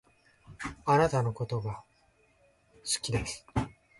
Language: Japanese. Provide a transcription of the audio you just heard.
あなたのことが好きです